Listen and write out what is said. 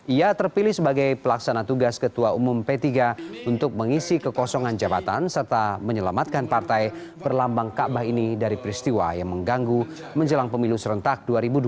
ia terpilih sebagai pelaksana tugas ketua umum p tiga untuk mengisi kekosongan jabatan serta menyelamatkan partai berlambang kaabah ini dari peristiwa yang mengganggu menjelang pemilu serentak dua ribu dua puluh empat